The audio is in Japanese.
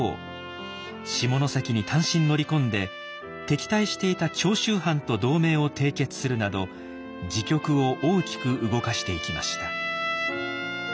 下関に単身乗り込んで敵対していた長州藩と同盟を締結するなど時局を大きく動かしていきました。